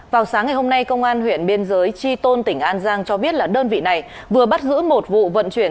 vào sáng hôm nay công an huyện biên giới chi tôn tỉnh an giang cho biết đơn vị này vừa bắt giữ một vụ vận chuyển